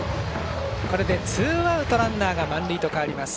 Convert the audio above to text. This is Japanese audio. これでツーアウト、ランナー満塁と変わります。